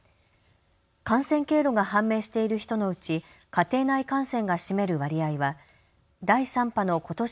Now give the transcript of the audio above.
感染経路が判明している人のうち家庭内感染が占める割合は第３波のことし